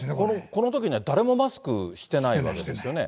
このとき、誰もマスクしてないわけですよね。